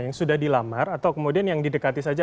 yang sudah dilamar atau kemudian yang didekati saja